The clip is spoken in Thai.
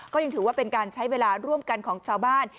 ก็ยังถือว่าเป็นการใช้เวลาร่วมกันของชาวบ้าน